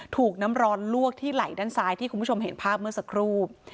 ถูกน้ำร้อนลวกที่ไหล่ด้านซ้ายที่คุณผู้ชมเห็นภาพเมื่อสักครู่